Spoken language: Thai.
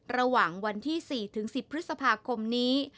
ระหว่างวันที่๔๑๐พฤษภาคมนี้